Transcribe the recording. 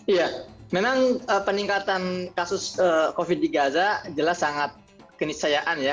iya memang peningkatan kasus covid di gaza jelas sangat kenisayaan ya